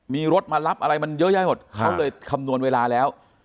มีรถมารับอะไรมันเยอะแยะหมดเขาเลยคำนวณเวลาแล้ว